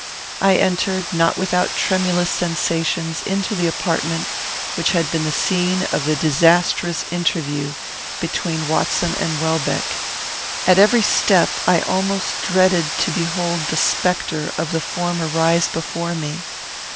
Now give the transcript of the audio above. I entered, not without tremulous sensations, into the apartment which had been the scene of the disastrous interview between Watson and Welbeck. At every step I almost dreaded to behold the spectre of the former rise before me.